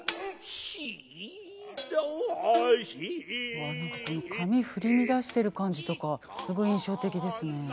うわ何かこの髪振り乱してる感じとかすごい印象的ですね。